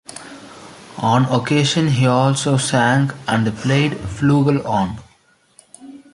On occasion he also sang and played flugelhorn.